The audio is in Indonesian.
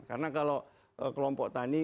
karena kalau kelompok tani